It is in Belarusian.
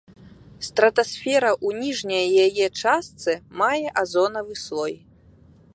Стратасфера ў ніжняй яе частцы мае азонавы слой.